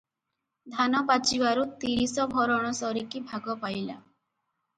ଧାନ ପାଚିବାରୁ ତିରିଶ ଭରଣ ସରିକି ଭାଗ ପାଇଲା ।